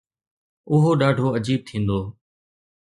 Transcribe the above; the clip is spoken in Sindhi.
اهو ڏاڍو عجيب ٿيندو.